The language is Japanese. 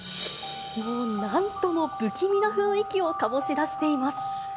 なんとも不気味な雰囲気を醸し出しています。